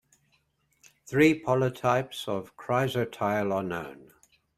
Three polytypes of chrysotile are known.